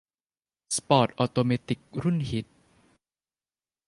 สปอร์ตออโตเมติกรุ่นฮิต